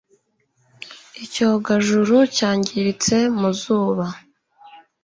Icyogajuru cyangiritse mu zuba